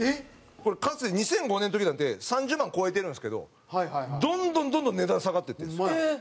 これかつて２００５年の時なんて３０万超えてるんですけどどんどんどんどん値段下がっていってるんです。